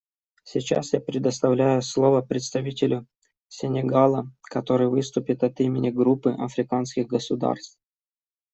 Сейчас я предоставляю слово представителю Сенегала, который выступит от имени Группы африканских государств.